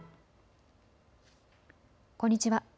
こんにちは。